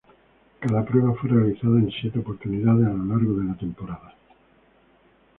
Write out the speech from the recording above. Cada prueba fue realizada en siete oportunidades a lo largo de la temporada.